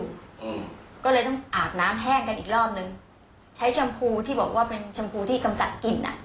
อืมก็เลยต้องอาบน้ำแห้งกันอีกรอบนึงใช้ชมพูที่บอกว่าเป็นชมพูที่กำจัดกลิ่นอ่ะ